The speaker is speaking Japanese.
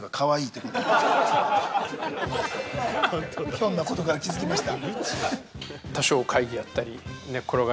ひょんなことから気づきました。